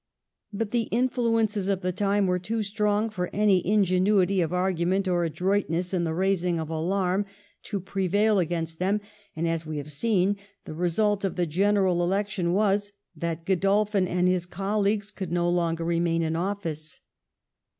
But the influences of the time were too strong for any ingenuity of argument or adroitness in the raising of alarm to prevail against them, and, as we have seen, the result of the General Election was that Godolphin and his colleagues could no longer remain in office.